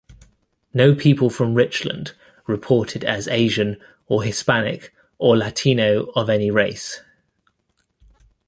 No people from Richland reported as Asian or Hispanic or Latino of any race.